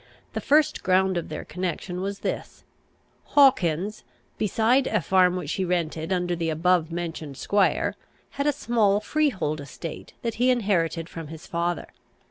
The first ground of their connection was this: Hawkins, beside a farm which he rented under the above mentioned squire, had a small freehold estate that he inherited from his father.